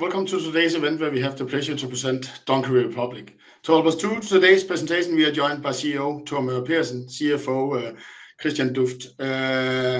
Welcome to today's event where we have the pleasure to present Donkey Republic. To help us through today's presentation, we are joined by CEO Thor Möger Pedersen and CFO Christian Dufft.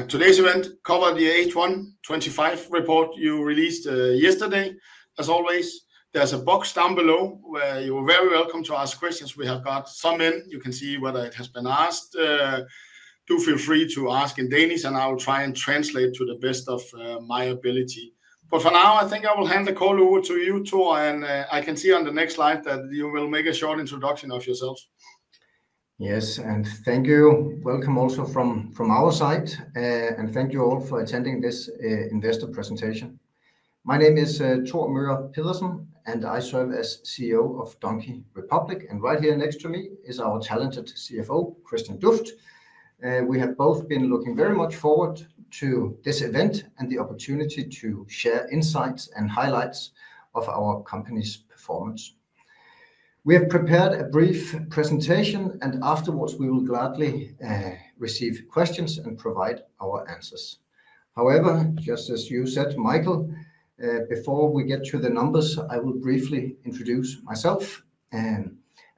Today's event covers the H1 2025 Report you released yesterday. As always, there's a box down below where you're very welcome to ask questions. We have got some in. You can see whether it has been asked. Do feel free to ask in Danish, and I'll try and translate to the best of my ability. For now, I think I will hand the call over to you, Thor, and I can see on the next slide that you will make a short introduction of yourself. Yes, and thank you. Welcome also from our side, and thank you all for attending this investor presentation. My name is Thor Möger Pedersen, and I serve as CEO of Donkey Republic. Right here next to me is our talented CFO, Christian Dufft. We have both been looking very much forward to this event and the opportunity to share insights and highlights of our company's performance. We have prepared a brief presentation, and afterwards, we will gladly receive questions and provide our answers. However, just as you said, Michael, before we get to the numbers, I will briefly introduce myself.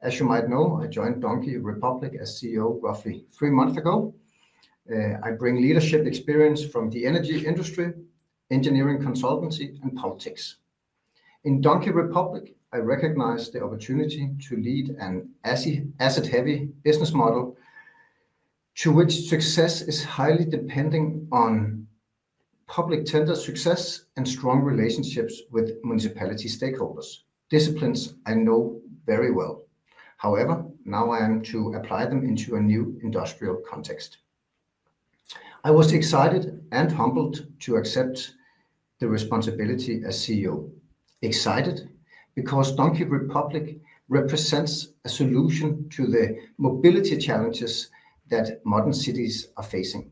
As you might know, I joined Donkey Republic as CEO roughly three months ago. I bring leadership experience from the energy industry, engineering consultancy, and politics. In Donkey Republic, I recognize the opportunity to lead an asset-heavy business model to which success is highly dependent on public tender success and strong relationships with municipality stakeholders, disciplines I know very well. However, now I am to apply them into a new industrial context. I was excited and humbled to accept the responsibility as CEO. Excited because Donkey Republic represents a solution to the mobility challenges that modern cities are facing.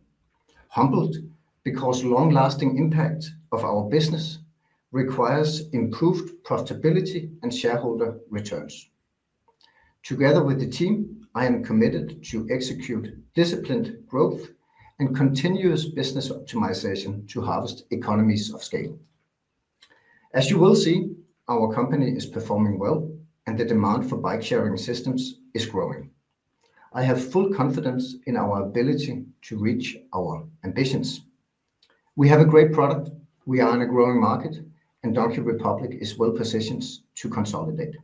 Humbled because the long-lasting impact of our business requires improved profitability and shareholder returns. Together with the team, I am committed to execute disciplined growth and continuous business optimization to harvest economies of scale. As you will see, our company is performing well, and the demand for bike-sharing systems is growing. I have full confidence in our ability to reach our ambitions. We have a great product. We are in a growing market, and Donkey Republic is well-positioned to consolidate.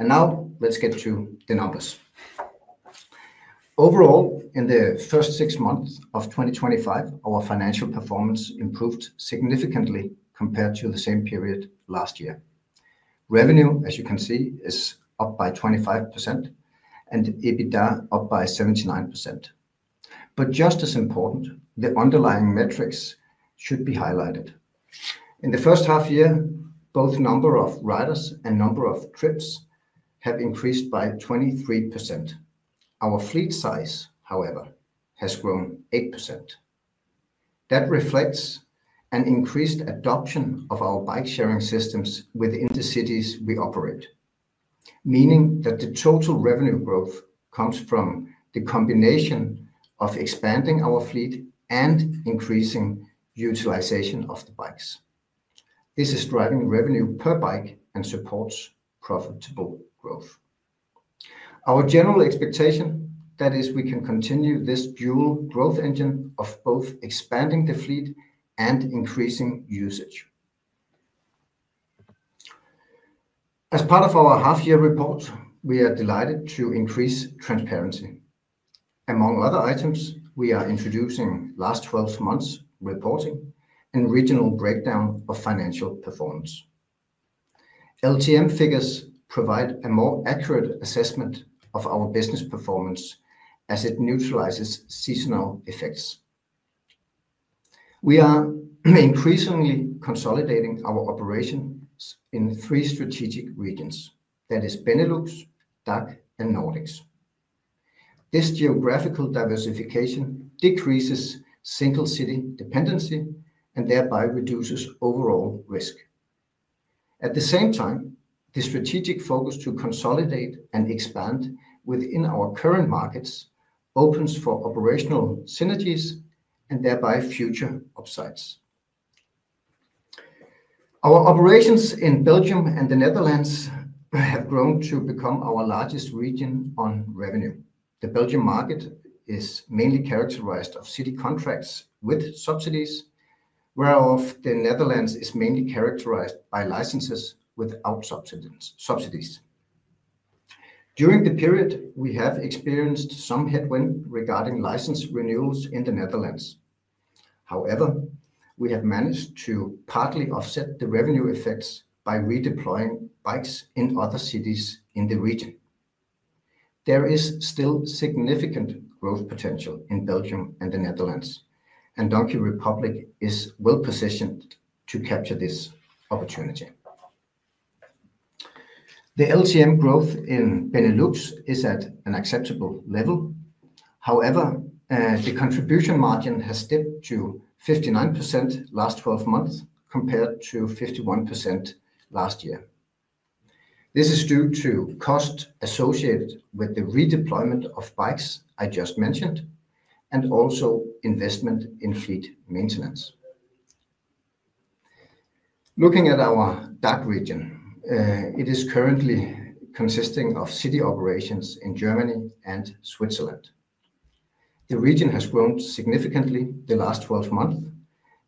Now, let's get to the numbers. Overall, in the first six months of 2025, our financial performance improved significantly compared to the same period last year. Revenue, as you can see, is up by 25%, and EBITDA up by 79%. Just as important, the underlying metrics should be highlighted. In the first half year, both the number of riders and the number of trips have increased by 23%. Our fleet size, however, has grown 8%. That reflects an increased adoption of our bike-sharing systems within the cities we operate, meaning that the total revenue growth comes from the combination of expanding our fleet and increasing utilization of the bikes. This is driving revenue per bike and supports profitable growth. Our general expectation is that we can continue this dual growth engine of both expanding the fleet and increasing usage. As part of our half-year report, we are delighted to increase transparency. Among other items, we are introducing last 12 months' reporting and regional breakdown of financial performance. LTM figures provide a more accurate assessment of our business performance as it neutralizes seasonal effects. We are increasingly consolidating our operations in three strategic regions, that is Benelux, DACH, and Nordics. This geographical diversification decreases single-city dependency and thereby reduces overall risk. At the same time, the strategic focus to consolidate and expand within our current markets opens for operational synergies and thereby future upsides. Our operations in Belgium and the Netherlands have grown to become our largest region on revenue. The Belgian market is mainly characterized by city contracts with subsidies, whereas the Netherlands is mainly characterized by licenses without subsidies. During the period, we have experienced some headwind regarding license renewals in the Netherlands. However, we have managed to partly offset the revenue effects by redeploying bikes in other cities in the region. There is still significant growth potential in Belgium and the Netherlands, and Donkey Republic is well-positioned to capture this opportunity. The LTM growth in Benelux is at an acceptable level. However, the contribution margin has dipped to 59% last 12 months compared to 51% last year. This is due to costs associated with the redeployment of bikes I just mentioned and also investment in fleet maintenance. Looking at our DACH region, it is currently consisting of city operations in Germany and Switzerland. The region has grown significantly in the last 12 months,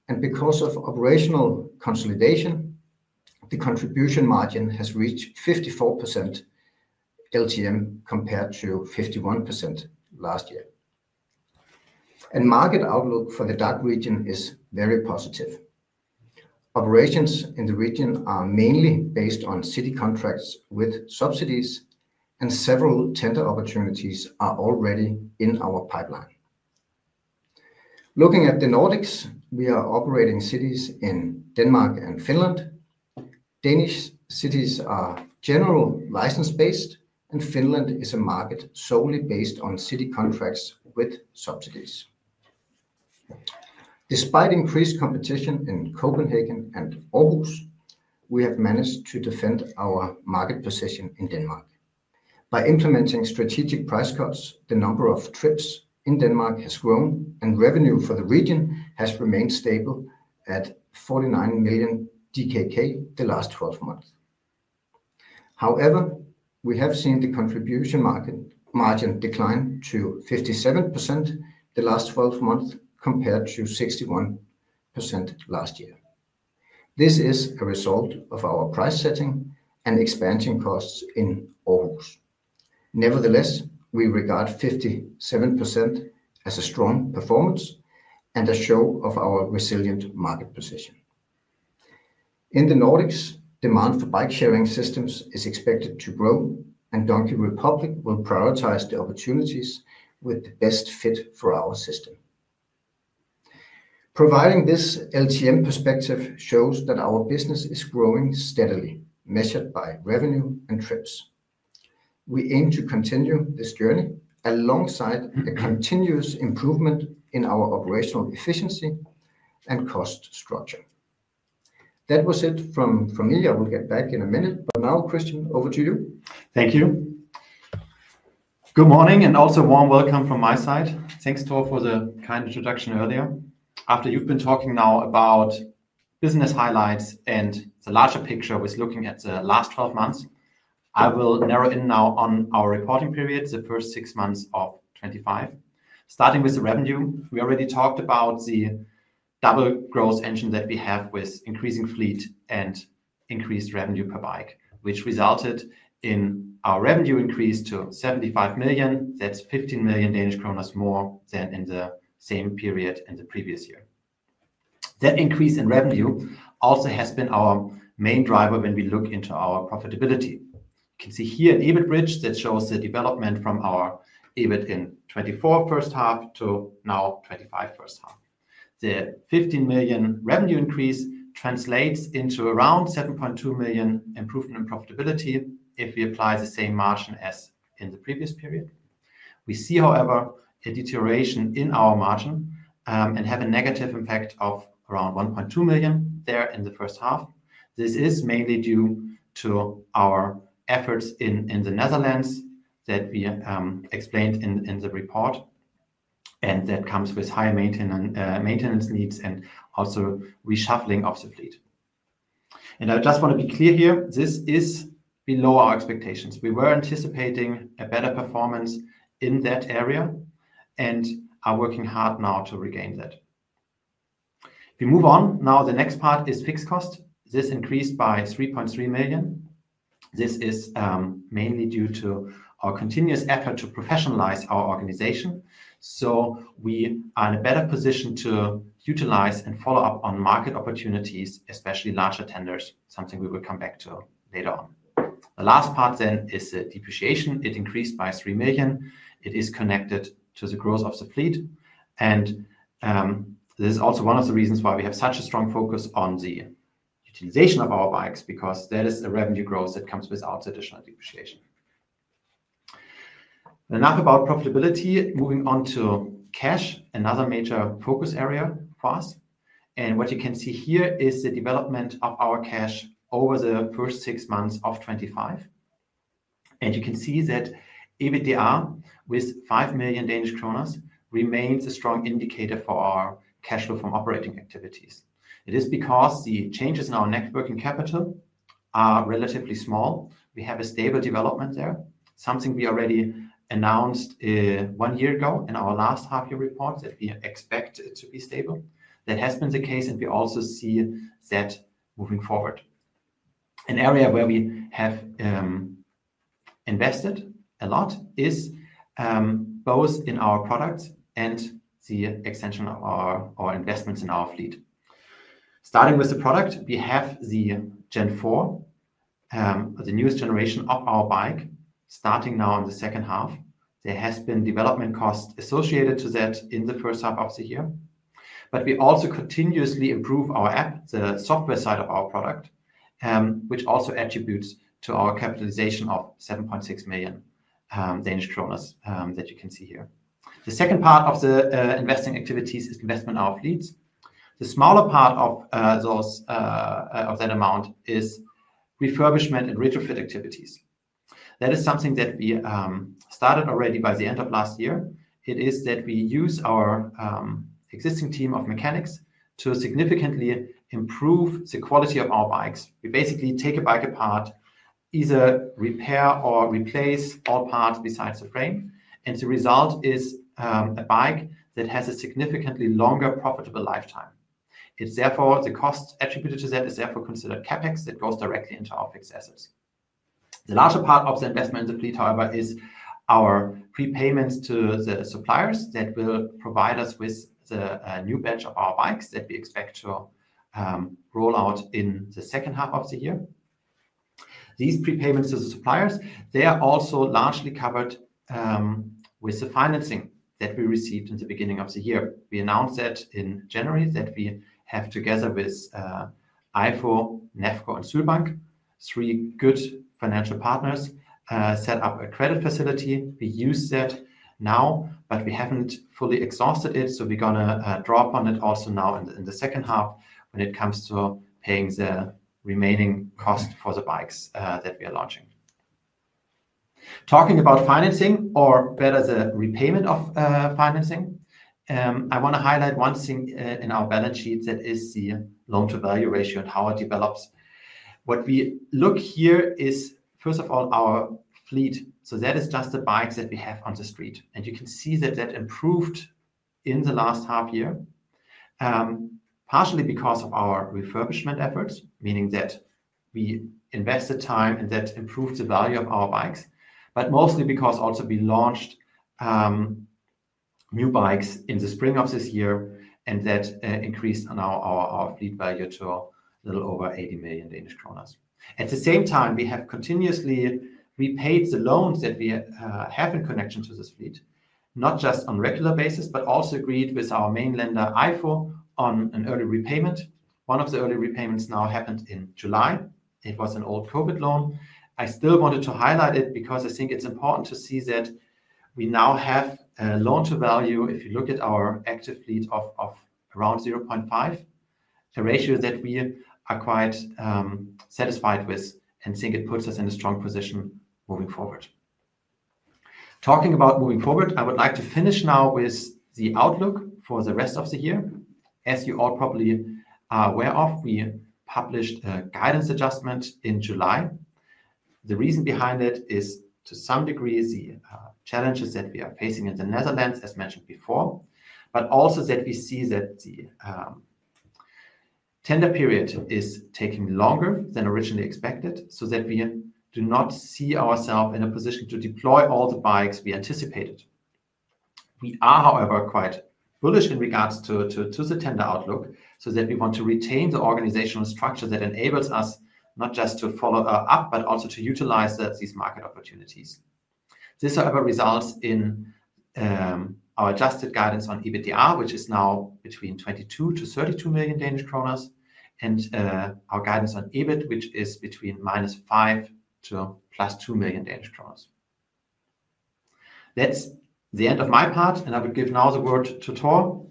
and because of operational consolidation, the contribution margin has reached 54% LTM compared to 51% last year. The market outlook for the DACH region is very positive. Operations in the region are mainly based on city contracts with subsidies, and several tender opportunities are already in our pipeline. Looking at the Nordics, we are operating cities in Denmark and Finland. Danish cities are generally license-based, and Finland is a market solely based on city contracts with subsidies. Despite increased competition in Copenhagen and Aarhus, we have managed to defend our market position in Denmark. By implementing strategic price cuts, the number of trips in Denmark has grown, and revenue for the region has remained stable at 49 million DKK the last 12 months. However, we have seen the contribution margin decline to 57% the last 12 months compared to 61% last year. This is a result of our price setting and expansion costs in Aarhus. Nevertheless, we regard 57% as a strong performance and a show of our resilient market position. In the Nordics, demand for bike-sharing systems is expected to grow, and Donkey Republic will prioritize the opportunities with the best fit for our system. Providing this LTM perspective shows that our business is growing steadily, measured by revenue and trips. We aim to continue this journey alongside the continuous improvement in our operational efficiency and cost structure. That was it from me. I will get back in a minute. Now, Christian, over to you. Thank you. Good morning and also a warm welcome from my side. Thanks, Thor, for the kind introduction earlier. After you've been talking now about business highlights and the larger picture with looking at the last 12 months, I will narrow in now on our reporting period, the first six months of 2025. Starting with the revenue, we already talked about the double growth engine that we have with increasing fleet and increased revenue per bike, which resulted in our revenue increase to 75 million. That's 15 million Danish kroner more than in the same period in the previous year. That increase in revenue also has been our main driver when we look into our profitability. You can see here an EBIT bridge that shows the development from our EBIT in 2024 first half to now 2025 first half. The 15 million revenue increase translates into around 7.2 million improvement in profitability if we apply the same margin as in the previous period. We see, however, a deterioration in our margin and have a negative impact of around 1.2 million there in the first half. This is mainly due to our efforts in the Netherlands that we explained in the report, and that comes with higher maintenance needs and also reshuffling of the fleet. I just want to be clear here, this is below our expectations. We were anticipating a better performance in that area and are working hard now to regain that. We move on. Now, the next part is fixed cost. This increased by 3.3 million. This is mainly due to our continuous effort to professionalize our organization. We are in a better position to utilize and follow up on market opportunities, especially larger tenders, something we will come back to later on. The last part then is the depreciation. It increased by 3 million. It is connected to the growth of the fleet. This is also one of the reasons why we have such a strong focus on the utilization of our bikes because that is the revenue growth that comes without additional depreciation. Enough about profitability. Moving on to cash, another major focus area for us. What you can see here is the development of our cash over the first six months of 2025. You can see that EBITDA with 5 million Danish kroner remains a strong indicator for our cash flow from operating activities. It is because the changes in our net working capital are relatively small. We have a stable development there, something we already announced one year ago in our last half-year report that we expect it to be stable. That has been the case, and we also see that moving forward. An area where we have invested a lot is both in our products and the extension of our investments in our fleet. Starting with the product, we have the Gen 4, the newest generation of our bike, starting now in the second half. There have been development costs associated with that in the first half of the year. We also continuously improve our app, the software side of our product, which also attributes to our capitalization of 7.6 million Danish kroner that you can see here. The second part of the investing activities is investment in our fleets. The smaller part of that amount is refurbishment and retrofit activities. That is something that we started already by the end of last year. We use our existing team of mechanics to significantly improve the quality of our bikes. We basically take a bike apart, either repair or replace all parts besides the frame, and the result is a bike that has a significantly longer profitable lifetime. The cost attributed to that is therefore considered CapEx that goes directly into our fixed assets. The larger part of the investment in the fleet, however, is our prepayments to the suppliers that will provide us with the new batch of our bikes that we expect to roll out in the second half of the year. These prepayments to the suppliers are also largely covered with the financing that we received in the beginning of the year. We announced in January that we have, together with IFO, NEFCO, and Suhlbank, three good financial partners, set up a credit facility. We use that now, but we haven't fully exhausted it, so we're going to draw upon it also now in the second half when it comes to paying the remaining cost for the bikes that we are launching. Talking about financing, or better, the repayment of financing, I want to highlight one thing in our balance sheet that is the loan-to-value ratio and how it develops. What we look at here is, first of all, our fleet. That is just the bikes that we have on the street. You can see that improved in the last half year, partially because of our refurbishment efforts, meaning that we invested time and that improved the value of our bikes, but mostly because we also launched new bikes in the spring of this year, and that increased our fleet value to a little over 80 million Danish kroner. At the same time, we have continuously repaid the loans that we have in connection to this fleet, not just on a regular basis, but also agreed with our main lender, IFO, on an early repayment. One of the early repayments happened in July. It was an old COVID loan. I still wanted to highlight it because I think it's important to see that we now have a loan-to-value, if you look at our active fleet, of around 0.5, a ratio that we are quite satisfied with and think it puts us in a strong position moving forward. Talking about moving forward, I would like to finish now with the outlook for the rest of the year. As you all probably are aware, we published a guidance adjustment in July. The reason behind that is, to some degree, the challenges that we are facing in the Netherlands, as mentioned before, but also that we see that the tender period is taking longer than originally expected, so that we do not see ourselves in a position to deploy all the bikes we anticipated. We are, however, quite bullish in regards to the tender outlook, so we want to retain the organizational structure that enables us not just to follow up, but also to utilize these market opportunities. This, however, results in our adjusted guidance on EBITDA, which is now between 22 million to 32 million Danish kroner, and our guidance on EBIT, which is between minus 5 million to plus 2 million Danish kroner. That's the end of my part, and I would give now the word to Thor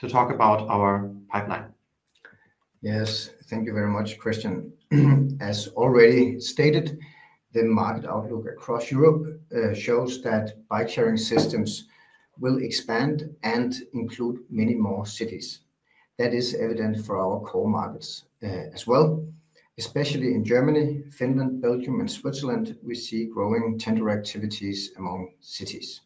to talk about our pipeline. Yes, thank you very much, Christian. As already stated, the market outlook across Europe shows that bike-sharing systems will expand and include many more cities. That is evident for our core markets as well, especially in Germany, Finland, Belgium, and Switzerland. We see growing tender activities among cities.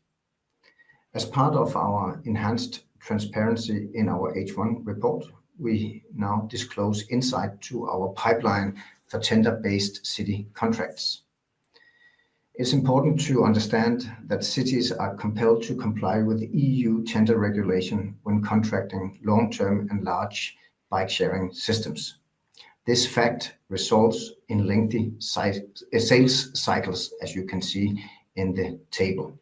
As part of our enhanced transparency in our H1 report, we now disclose insight to our pipeline for tender-based city contracts. It's important to understand that cities are compelled to comply with the EU tender regulations when contracting long-term and large bike-sharing systems. This fact results in lengthy sales cycles, as you can see in the table.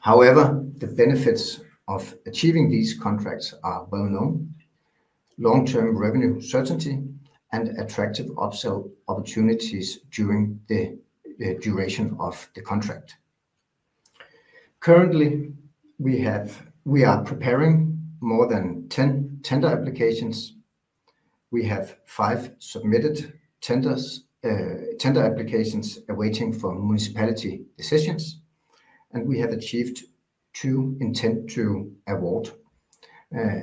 However, the benefits of achieving these contracts are well known: long-term revenue certainty and attractive upsell opportunities during the duration of the contract. Currently, we are preparing more than 10 tender applications. We have five submitted tender applications awaiting municipality decisions, and we have achieved two intent-to-award.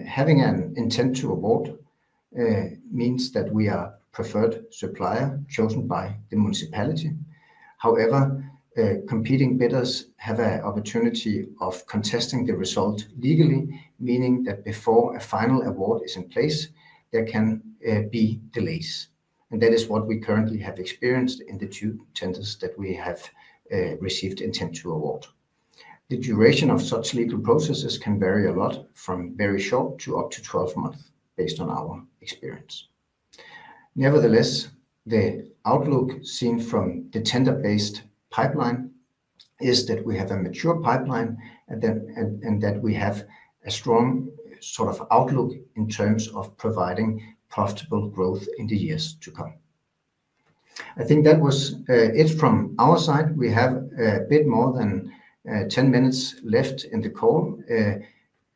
Having an intent-to-award means that we are a preferred supplier chosen by the municipality. However, competing bidders have an opportunity of contesting the result legally, meaning that before a final award is in place, there can be delays. That is what we currently have experienced in the two tenders that we have received intent-to-award. The duration of such legal processes can vary a lot from very short to up to 12 months, based on our experience. Nevertheless, the outlook seen from the tender-based pipeline is that we have a mature pipeline and that we have a strong sort of outlook in terms of providing profitable growth in the years to come. I think that was it from our side. We have a bit more than 10 minutes left in the call,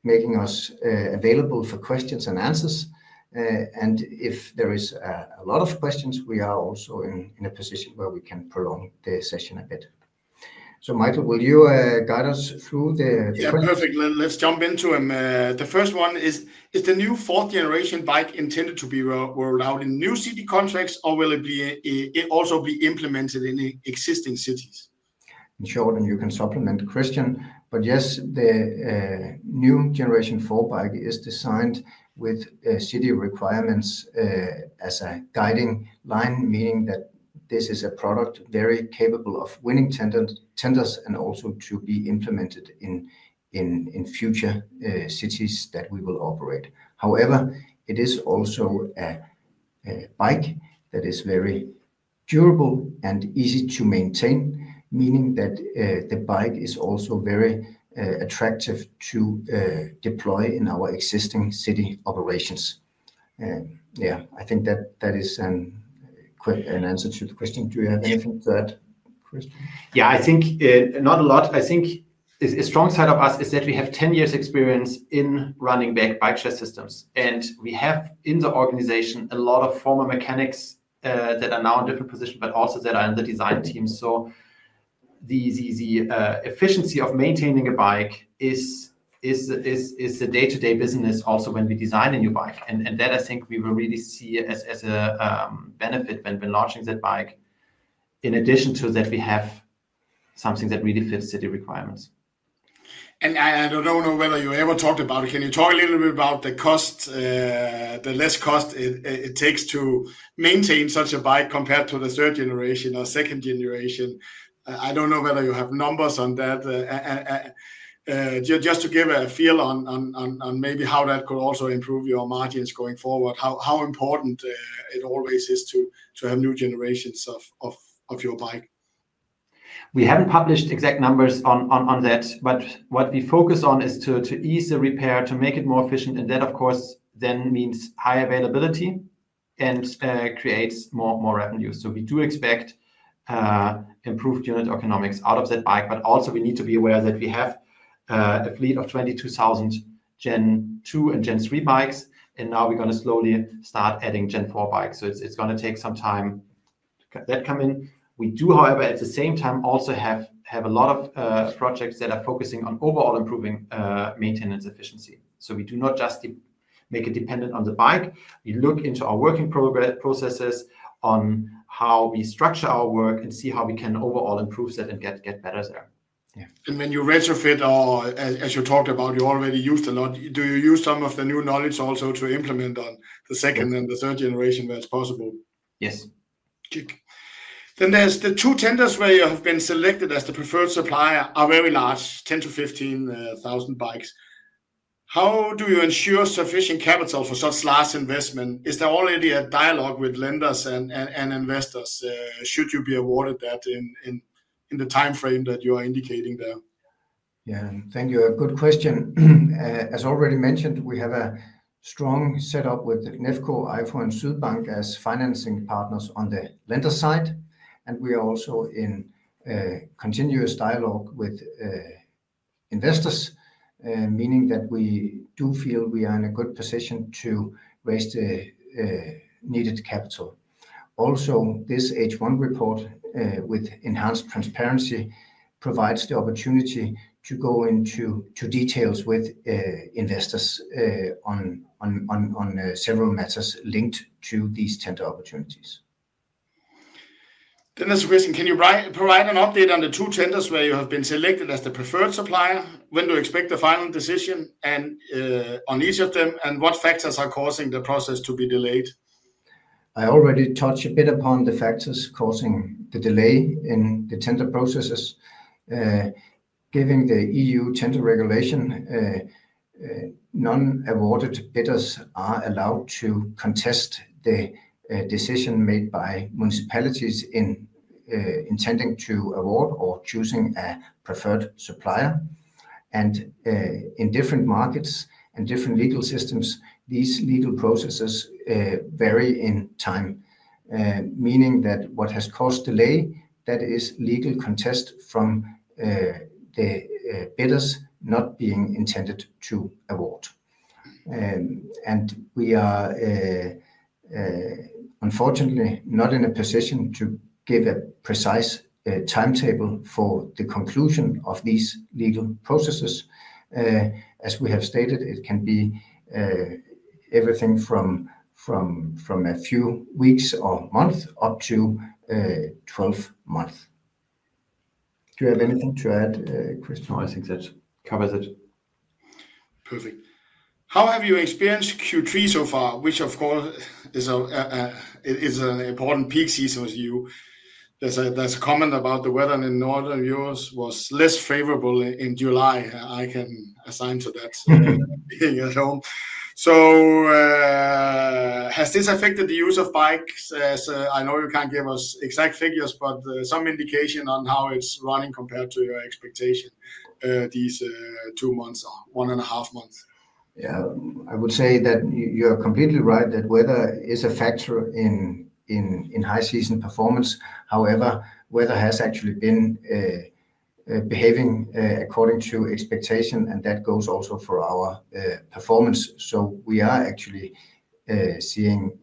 making us available for questions and answers. If there are a lot of questions, we are also in a position where we can prolong the session a bit. Michael, will you guide us through the... Yeah, perfect. Let's jump into them. The first one is, is the new Gen 4 bike intended to be rolled out in new city contracts, or will it also be implemented in existing cities? In short, and you can supplement, Christian, but yes, the new Gen 4 bike is designed with city requirements as a guiding line, meaning that this is a product very capable of winning tenders and also to be implemented in future cities that we will operate. However, it is also a bike that is very durable and easy to maintain, meaning that the bike is also very attractive to deploy in our existing city operations. Yeah, I think that is quite an answer to the question. Do you have anything to add, Christian? I think not a lot. I think a strong side of us is that we have 10 years' experience in running bike-share systems. We have in the organization a lot of former mechanics that are now in different positions, but also that are in the design team. The efficiency of maintaining a bike is the day-to-day business also when we design a new bike. I think we will really see that as a benefit when launching that bike. In addition to that, we have something that really fits city requirements. Can you talk a little bit about the cost, the less cost it takes to maintain such a bike compared to the third generation or second generation? I don't know whether you have numbers on that. Just to give a feel on maybe how that could also improve your margins going forward, how important it always is to have new generations of your bike. We haven't published exact numbers on that, but what we focus on is to ease the repair, to make it more efficient. That, of course, then means high availability and creates more revenue. We do expect improved unit economics out of that bike, but also we need to be aware that we have a fleet of 22,000 Gen 2 and Gen 3 bikes, and now we're going to slowly start adding Gen 4 bikes. It's going to take some time to get that come in. We do, however, at the same time, also have a lot of projects that are focusing on overall improving maintenance efficiency. We do not just make it dependent on the bike. We look into our working processes, on how we structure our work, and see how we can overall improve that and get better there. When you retrofit, as you talked about, you already used a lot. Do you use some of the new knowledge also to implement on the second and the third generation where it's possible? Yes. There are the two tenders where you have been selected as the preferred supplier, which are very large, 10,000 to 15,000 bikes. How do you ensure sufficient capital for such large investments? Is there already a dialogue with lenders and investors? Should you be awarded that in the time frame that you are indicating there? Thank you. A good question. As already mentioned, we have a strong setup with NEFCO, IFO, and Suhlbank as financing partners on the lender side. We are also in a continuous dialogue with investors, meaning that we do feel we are in a good position to raise the needed capital. Also, this H1 report with enhanced transparency provides the opportunity to go into details with investors on several matters linked to these tender opportunities. Can you provide an update on the two tenders where you have been selected as the preferred supplier? When do you expect the final decision on each of them, and what factors are causing the process to be delayed? I already touched a bit upon the factors causing the delay in the tender processes. Given the EU tender regulation, non-awarded bidders are allowed to contest the decision made by municipalities in intending to award or choosing a preferred supplier. In different markets and different legal systems, these legal processes vary in time, meaning that what has caused delay is legal contest from the bidders not being intended to award. We are unfortunately not in a position to give a precise timetable for the conclusion of these legal processes. As we have stated, it can be everything from a few weeks or months up to 12 months. Do you have anything to add, Christian? No, I think that covers it. Perfect. How have you experienced Q3 so far, which of course is an important peak season with you? There's a comment about the weather in Northern Europe was less favorable in July. I can assign to that being at home. Has this affected the use of bikes? I know you can't give us exact figures, but some indication on how it's running compared to your expectation these two months or one and a half months. Yeah, I would say that you're completely right that weather is a factor in high season performance. However, weather has actually been behaving according to expectation, and that goes also for our performance. We are actually seeing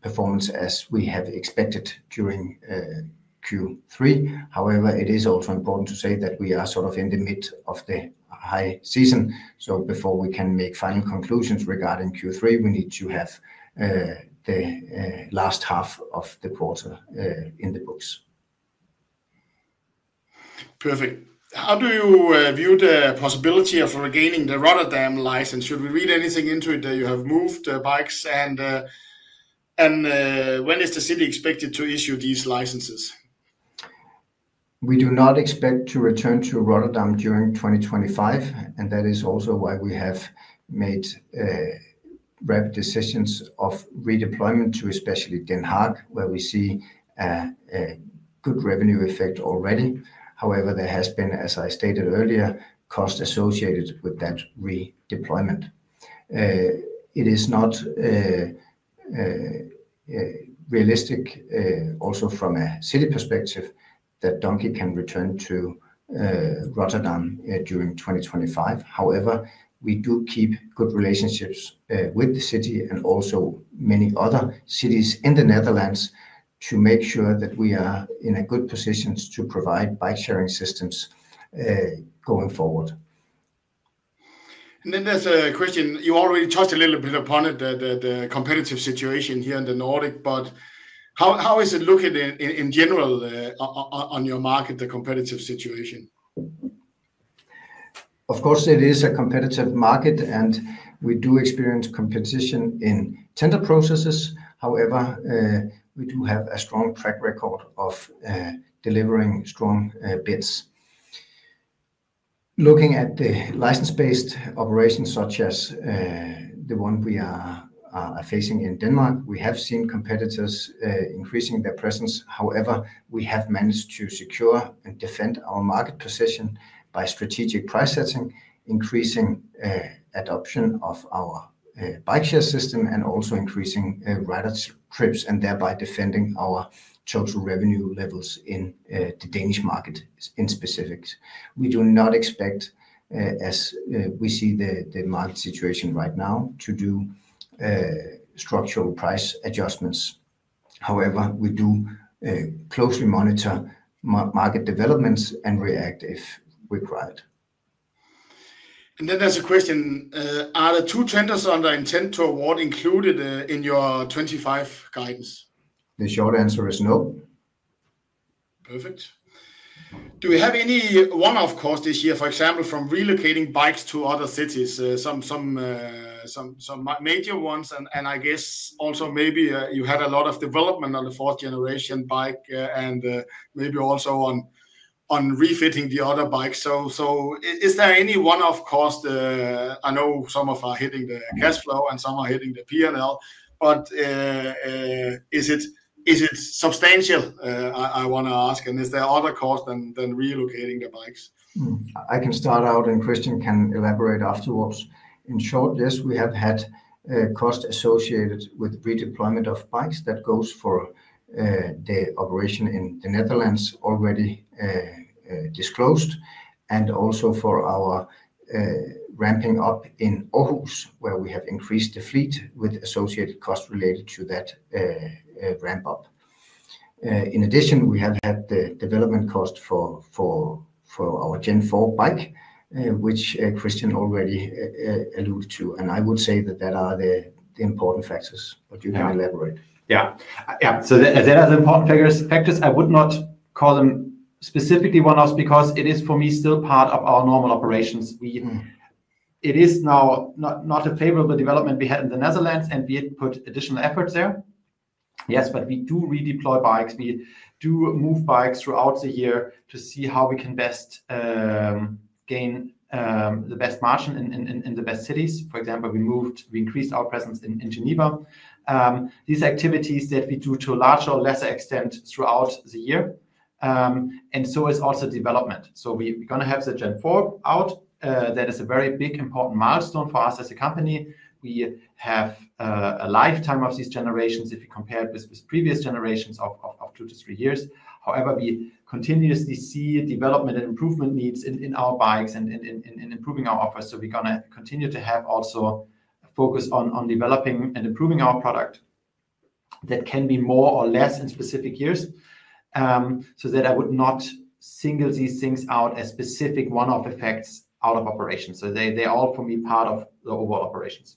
performance as we have expected during Q3. However, it is also important to say that we are sort of in the midst of the high season. Before we can make final conclusions regarding Q3, we need to have the last half of the quarter in the books. Perfect. How do you view the possibility of regaining the Rotterdam license? Should we read anything into it that you have moved the bikes? When is the city expected to issue these licenses? We do not expect to return to Rotterdam during 2025. That is also why we have made rapid decisions of redeployment to especially Den Haag, where we see a good revenue effect already. However, there has been, as I stated earlier, costs associated with that redeployment. It is not realistic, also from a city perspective, that Donkey Republic can return to Rotterdam during 2025. However, we do keep good relationships with the city and also many other cities in the Netherlands to make sure that we are in a good position to provide bike-sharing systems going forward. There's a question. You already touched a little bit upon it, the competitive situation here in the Nordic, but how is it looking in general on your market, the competitive situation? Of course, it is a competitive market, and we do experience competition in tender processes. However, we do have a strong track record of delivering strong bids. Looking at the license-based operations, such as the one we are facing in Denmark, we have seen competitors increasing their presence. However, we have managed to secure and defend our market position by strategic price setting, increasing adoption of our bike-sharing system, and also increasing riders' trips and thereby defending our total revenue levels in the Danish market in specifics. We do not expect, as we see the market situation right now, to do structural price adjustments. However, we do closely monitor market developments and react if required. Are the two tenders under intent to award included in your '25 guidance? The short answer is no. Perfect. Do we have any one-off costs this year, for example, from relocating bikes to other cities? Some major ones, and I guess also maybe you had a lot of development on the Gen 4 bike and maybe also on retrofitting the other bikes. Is there any one-off cost? I know some are hitting the cash flow and some are hitting the P&L, but is it substantial? I want to ask, and is there other costs than relocating the bikes? I can start out, and Christian can elaborate afterwards. In short, yes, we have had costs associated with redeployment of bikes. That goes for the operation in the Netherlands already disclosed and also for our ramping up in Aarhus, where we have increased the fleet with associated costs related to that ramp-up. In addition, we have had the development cost for our Gen 4 bike, which Christian already alluded to. I would say that those are the important factors, but you can elaborate. Yeah, yeah. They are the important factors. I would not call them specifically one-offs because it is, for me, still part of our normal operations. It is now not a favorable development we had in the Netherlands, and we had put additional efforts there. Yes, but we do redeploy bikes. We do move bikes throughout the year to see how we can best gain the best margin in the best cities. For example, we increased our presence in Geneva. These activities that we do to a larger or lesser extent throughout the year. This is also development. We are going to have the Gen 4 out. That is a very big, important milestone for us as a company. We have a lifetime of these generations if we compare it with previous generations of two to three years. However, we continuously see development and improvement needs in our bikes and in improving our offers. We are going to continue to have also a focus on developing and improving our product that can be more or less in specific years. I would not single these things out as specific one-off effects out of operations. They are all, for me, part of the overall operations.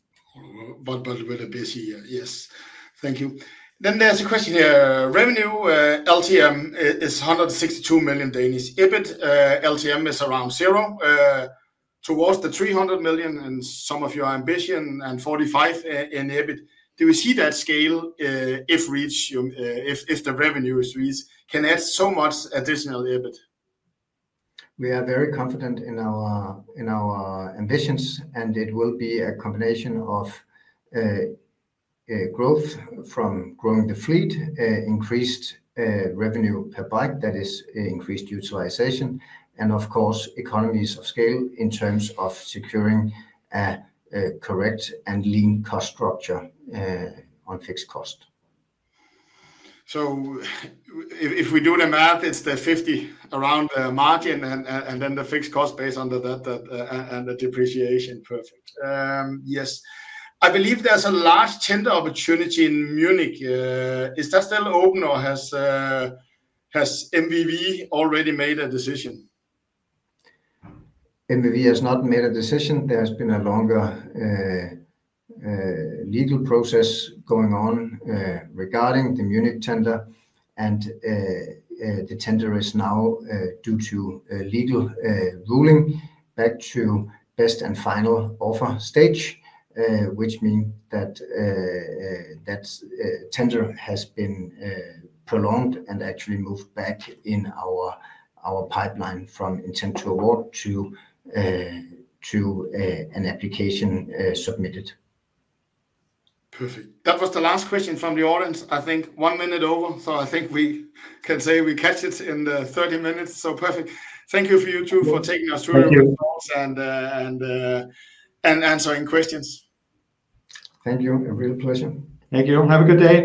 We're busy here. Yes, thank you. There's a question here. Revenue LTM is 162 million. EBIT LTM is around zero. Towards the 300 million and some of your ambition and 45 in EBIT, do we see that scale if reached, if the revenue is reached, can add so much additional EBIT? We are very confident in our ambitions, and it will be a combination of growth from growing the fleet, increased revenue per bike, that is increased utilization, and of course, economies of scale in terms of securing a correct and lean cost structure on fixed cost. If we do the math, it's the 50% around margin and then the fixed cost based on the depreciation. Perfect. Yes. I believe there's a large tender opportunity in Munich. Is that still open or has MVV already made a decision? MVV has not made a decision. There has been a longer legal process going on regarding the Munich tender, and the tender is now due to legal ruling back to best and final offer stage, which means that that tender has been prolonged and actually moved back in our pipeline from intent to award to an application submitted. Perfect. That was the last question from the audience. I think one minute over, so I think we can say we catch it in the 30 minutes. Perfect. Thank you for you two for taking us through and answering questions. Thank you. A real pleasure. Thank you. Have a good day.